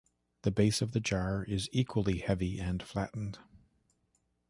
The base of the jar is equally heavy and flattened.